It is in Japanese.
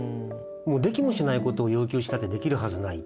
できもしないことを要求したってできるはずない。